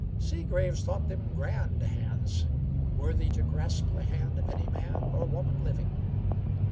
Seagraves thought them grand hands, worthy to grasp the hand of any man or woman living.